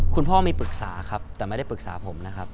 คุณพ่อมีปรึกษาครับแต่ไม่ได้ปรึกษาผมนะครับ